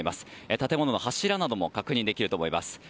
建物の柱なども確認できると思います。